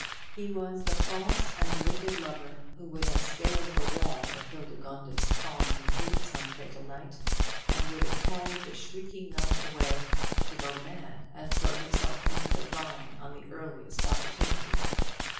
He was the false and wicked lover who would have scaled the wall of Hildegonde's calm retreat some fatal night, and would have carried the shrieking nun away, to go mad and throw herself into the Rhine on the earliest opportunity.